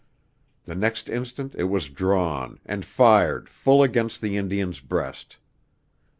The next instant it was drawn and fired full against the Indian's breast!